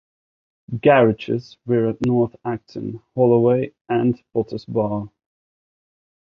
Garages were at North Acton, Holloway and Potters Bar.